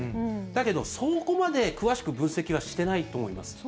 だけど、そこまで詳しく分析はしていないと思います。